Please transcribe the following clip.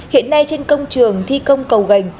hiện nay trên công trường thi công cầu gành